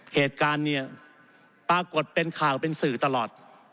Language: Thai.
เหตุการณ์เนี่ยปรากฏเป็นข่าวเป็นสื่อตลอด